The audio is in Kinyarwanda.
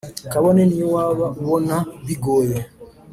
kabone n’iyo waba ubona bigoye